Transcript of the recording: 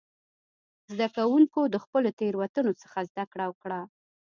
زده کوونکو د خپلو تېروتنو څخه زده کړه وکړه.